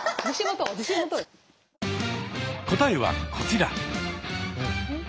答えはこちら。